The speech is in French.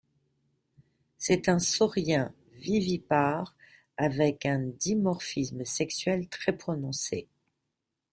C'est un saurien vivipare avec un dimorphisme sexuel très prononcé.